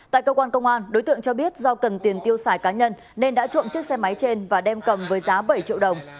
tại cơ quan công an đối tượng cho biết do cần tiền tiêu xài cá nhân nên đã trộm chiếc xe máy trên và đem cầm với giá bảy triệu đồng